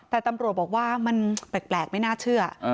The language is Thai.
แต่ตำรวจบอกว่ามันแปลกไม่น่าเชื่อ